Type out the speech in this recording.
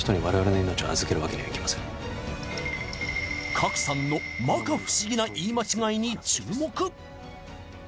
賀来さんの摩訶不思議な言い間違いに注目